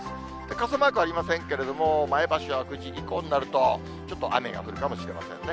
傘マークありませんけれども、前橋は９時以降になると、ちょっと雨が降るかもしれませんね。